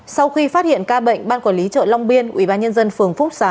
sau khi phát hiện ca bệnh ban quản lý chợ long biên ubnd phường phúc xá